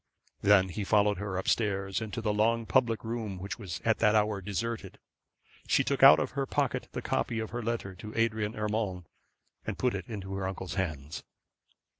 Then he followed her up stairs, and in the long public room, which was at that hour deserted, she took out of her pocket the copy of her letter to Adrian Urmand, and put it into her uncle's hands.